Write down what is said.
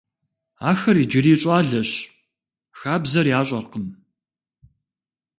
Ахэр иджыри щӀалэщ, хабзэр ящӀэркъым.